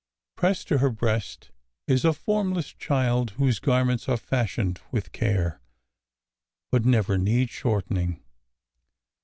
Pressed to her breast is a formless child whose garments are fashioned with care, but never need shortening.